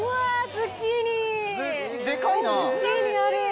ズッキーニある。